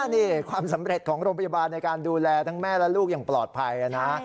นี่ความสำเร็จของโรงพยาบาลในการดูแลทั้งแม่และลูกอย่างปลอดภัยนะ